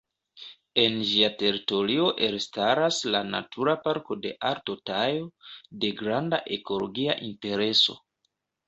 En ĝia teritorio elstaras la Natura Parko de Alto Tajo, de granda ekologia intereso.